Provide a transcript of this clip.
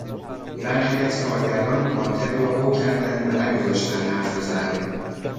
برخی از کارگران ناطق را هو کردند و نگذاشتند حرف بزند.